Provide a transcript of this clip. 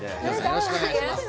よろしくお願いします